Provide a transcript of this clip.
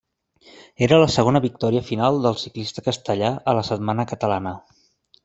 Era la segona victòria final del ciclista castellà a la Setmana Catalana.